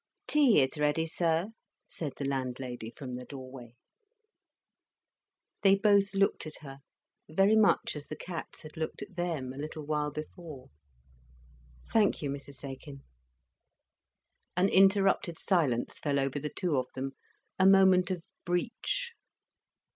"Tea is ready, sir," said the landlady from the doorway. They both looked at her, very much as the cats had looked at them, a little while before. "Thank you, Mrs Daykin." An interrupted silence fell over the two of them, a moment of breach.